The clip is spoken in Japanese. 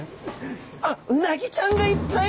あっうなぎちゃんがいっぱい！